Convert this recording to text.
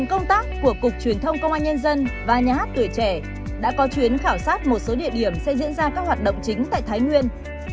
công tác của cục truyền thông công an nhân dân và nhà hát tuổi trẻ đã có chuyến khảo sát một số địa điểm sẽ diễn ra các hoạt động chính tại thái nguyên